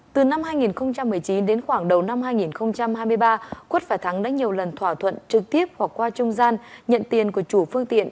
từ năm hai nghìn một mươi chín đến khoảng đầu năm hai nghìn hai mươi ba quất và thắng đã nhiều lần thỏa thuận trực tiếp hoặc qua trung gian nhận tiền của chủ phương tiện